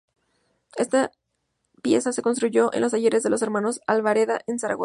Esta pieza se construyó en los talleres de los hermanos Albareda en Zaragoza.